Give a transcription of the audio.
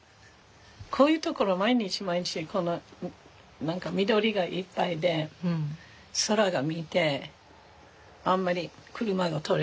こういう所毎日毎日何か緑がいっぱいで空を見てあんまり車が通らないで。